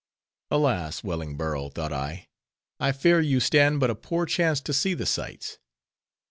Alas! Wellingborough, thought I, I fear you stand but a poor chance to see the sights.